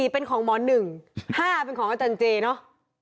เป็นของหมอ๑๕เป็นของอาจารย์เจเนอะ